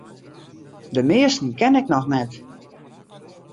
De measten ken ik noch net.